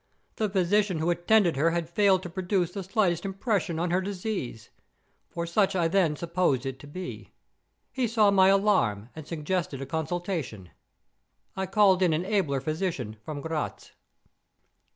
The physician who attended her had failed to produce the slightest impression on her disease, for such I then supposed it to be. He saw my alarm, and suggested a consultation. I called in an abler physician, from Gratz.